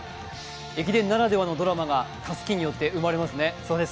駅伝ならではのドラマがたすきによって生まれますね。